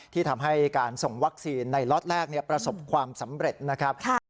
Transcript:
ที่ทำให้การส่งวัคซีนในล็อตแรกประสบความสำเร็จนะครับ